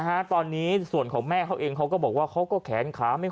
ฮะตอนนี้ส่วนของแม่เขาเองเขาก็บอกว่าเขาก็แขนขาไม่